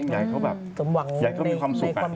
อยากเขามีความสุข